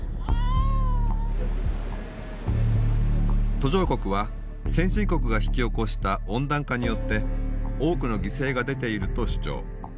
途上国は先進国が引き起こした温暖化によって多くの犠牲が出ていると主張。